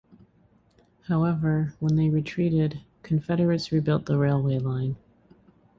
However, when they retreated, Confederates rebuilt the railway line.